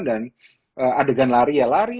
dan adegan lari ya lari